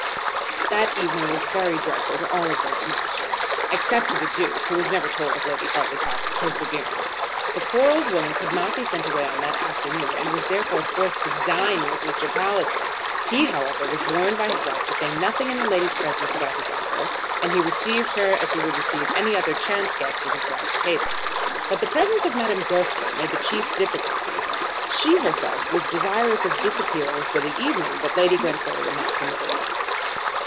That evening was very dreadful to all of them at Matching, except to the Duke, who was never told of Lady Hartletop's perseverance. The poor old woman could not be sent away on that afternoon, and was therefore forced to dine with Mr. Palliser. He, however, was warned by his wife to say nothing in the lady's presence about his uncle, and he received her as he would receive any other chance guest at his wife's table. But the presence of Madame Goesler made the chief difficulty. She herself was desirous of disappearing for that evening, but Lady Glencora would not permit it.